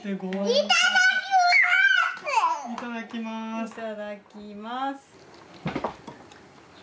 いただきます。